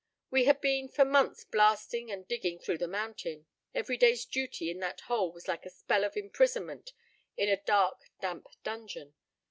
We had been for months blasting and digging through the mountain. Every day's duty in that hole was like a spell of imprisonment in a dark, damp dungeon.